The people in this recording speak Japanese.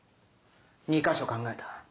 ２か所考えた。